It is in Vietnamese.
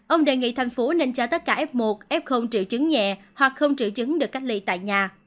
ông đề nghị thành phố nên cho tất cả f một f triệu chứng nhẹ hoặc không triệu chứng được cách ly tại nhà